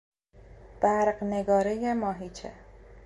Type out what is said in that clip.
برقنگارهی ماهیچه